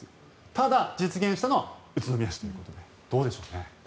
ただ、実現したのは宇都宮市ということでどうでしょうね。